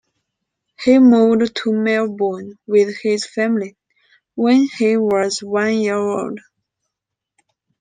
He moved to Melbourne with his family when he was one year old.